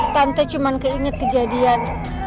tante cuma keinget kejadian